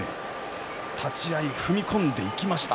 立ち合い踏み込んでいきました。